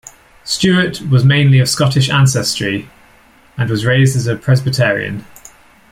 Stewart was mainly of Scottish ancestry and was raised as a Presbyterian.